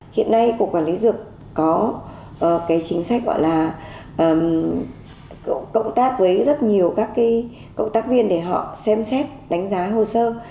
hiện nay cục quản lý dược có chính sách gọi là cộng tác với rất nhiều các công tác viên để họ xem xét đánh giá hồ sơ